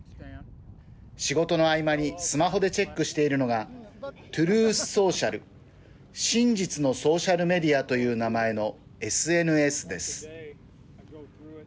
仕事の合間にスマホでチェックしているのがトゥルース・ソーシャル＝真実のソーシャル・メディアという名前のＳＮＳです。